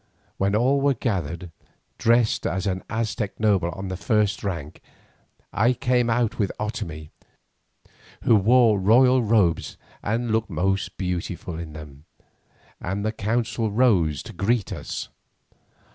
When all were gathered, dressed as an Aztec noble of the first rank, I came out with Otomie, who wore royal robes and looked most beautiful in them, and the council rose to greet us.